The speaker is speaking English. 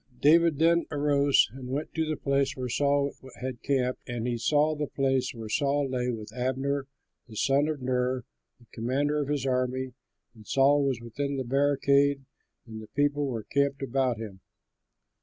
David then arose and went to the place where Saul had camped. And he saw the place where Saul lay, with Abner the son of Ner, the commander of his army; and Saul was within the barricade, and the people were camped about him.